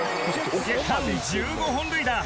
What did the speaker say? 月間１５本塁打。